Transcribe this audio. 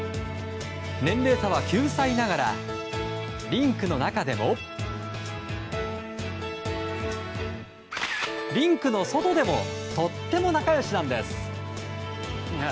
年齢差は９歳ながらリンクの中でもリンクの外でもとっても仲良しなんです。